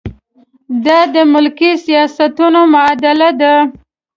دا د ملکي سیاستونو معادله ده.